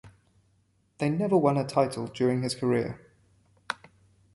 They never won a title during his career.